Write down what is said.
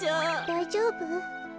だいじょうぶ？